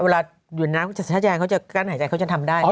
เวลาอยู่ในน้ำเขาจะชัดใจการหายใจเขาจะทำได้